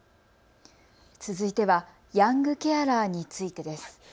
続いてはヤングケアラーについてです。